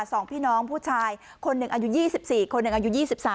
สองพี่น้องผู้ชายคนหนึ่งอายุ๒๔คนหนึ่งอายุ๒๓